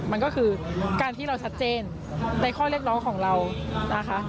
มันก็คือการที่เราชัดเจนในข้อเรียกร้องของเรานะคะ